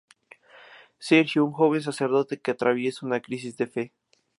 Sergio, un joven sacerdote que atraviesa una crisis de fe.